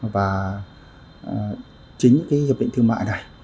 và chính cái hiệp định thương mại này